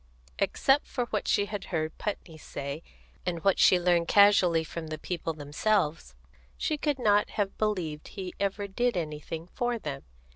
Except for what she had heard Putney say, and what she learned casually from the people themselves, she could not have believed he ever did anything for them.